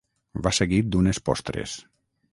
Va seguit d'unes postres.